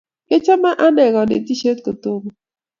Kiachame ane kanetishet kotomo